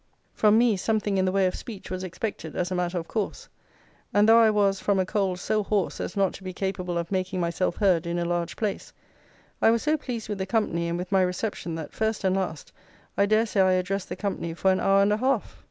From me, something in the way of speech was expected, as a matter of course; and though I was, from a cold, so hoarse as not to be capable of making myself heard in a large place, I was so pleased with the company, and with my reception, that, first and last, I dare say I addressed the company for an hour and a half.